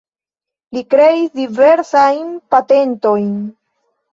Li kreis diversajn patentojn.